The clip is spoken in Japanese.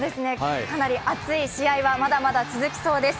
かなり熱い試合はまだまだ続きそうです。